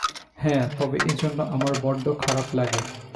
হ্যাঁ, তবে এজন্য আমার বড্ড খারাপ লাগে।